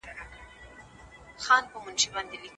د کندهار سوداګرو ميرويس خان نيکه ته څه ویل؟